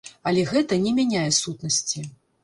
Але гэта не мяняе сутнасці.